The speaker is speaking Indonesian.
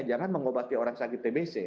jangan mengobati orang sakit tb c